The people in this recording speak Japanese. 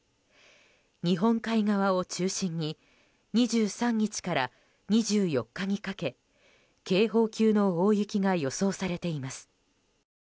日本海側を中心に２３日から２４日にかけ警報級の大雪が予想されています。